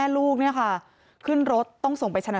พอลูกเขยกลับเข้าบ้านไปพร้อมกับหลานได้ยินเสียงปืนเลยนะคะ